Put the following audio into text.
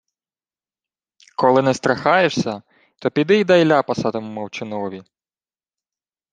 — Коли не страхаєшся, то піди й дай ляпаса тому мовчунові...